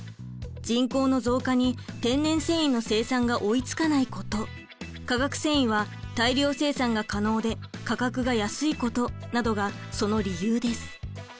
人口の増加に天然繊維の生産が追いつかないこと化学繊維は大量生産が可能で価格が安いことなどがその理由です。